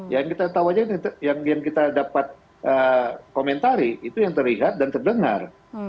yang kita tahu aja yang kita dapat komentari itu yang terlihat dan terdengar